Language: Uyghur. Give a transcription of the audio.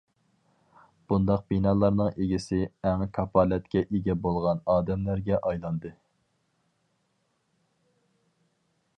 بۇنداق بىنالارنىڭ ئىگىسى ئەڭ كاپالەتكە ئىگە بولغان ئادەملەرگە ئايلاندى.